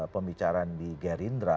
pembicaraan di gerindra